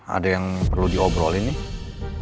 ada yang perlu diobrolin nih